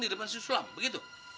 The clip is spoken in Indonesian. di depan si sulam begitu